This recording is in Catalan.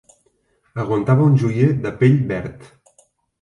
Aguantava un joier de pell verd.